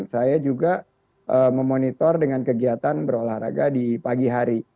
saya juga memonitor dengan kegiatan berolahraga di pagi hari